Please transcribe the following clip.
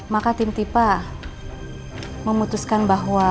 maka tim tipa memutuskan bahwa